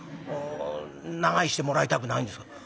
長居してもらいたくないんですか。